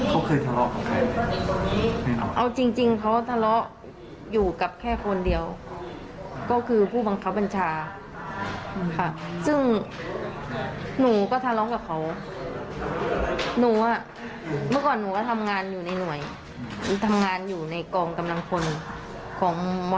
ผมไม่ตอบสัญญาให้หนูก็ออกจากงานก็มีเรื่องกับแค่คนเดียวทั้งผัวทั้งวิญญาณค่ะ